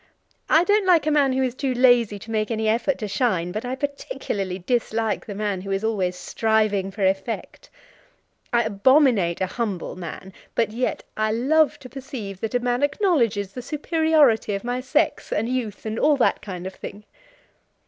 I don't like a man who is too lazy to make any effort to shine; but I particularly dislike the man who is always striving for effect. I abominate a humble man, but yet I love to perceive that a man acknowledges the superiority of my sex, and youth, and all that kind of thing."